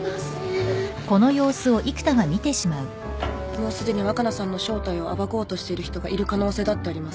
もうすでに若菜さんの正体を暴こうとしている人がいる可能性だってあります。